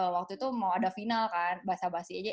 waktu itu mau ada final kan bahasa bahasi aja